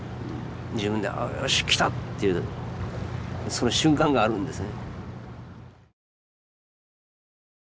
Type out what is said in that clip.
自分であっよし来たっていうその瞬間があるんですね。